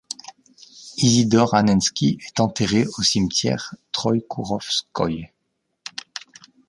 Isidore Annenski est enterré au cimetière Troïekourovskoïe.